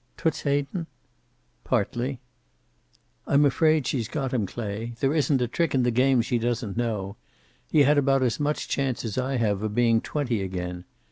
"Toots Hayden?" "Partly." "I'm afraid she's got him, Clay. There isn't a trick in the game she doesn't know. He had about as much chance as I have of being twenty again.